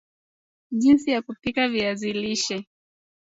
Jinsi ya kupika viazi lishe